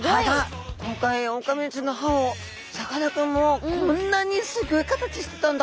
今回オオカミウオちゃんの歯をさかなクンもこんなにすギョい形してたんだ